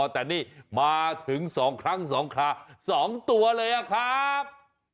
แต่นี่มาถึงสองครั้งสองค่ะสองตัวเลยครับ